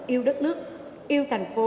yêu đất nước yêu thành phố